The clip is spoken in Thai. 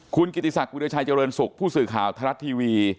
คุณกิติศักริวิชัยเจริญสุขผู้สื่อแข่วทะเล็ททีวี